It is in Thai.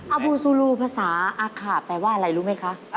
อบูซูลูภาษาอาขาแปลว่าอะไรรู้ไหมคะ